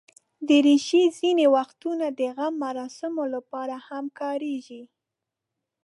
دریشي ځینې وختونه د غم مراسمو لپاره هم کارېږي.